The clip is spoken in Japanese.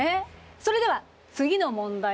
それでは次の問題です。